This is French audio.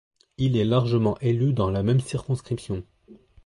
Il est largement élu dans la même circonscription.